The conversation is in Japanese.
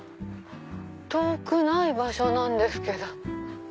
遠くない場所なんですけど。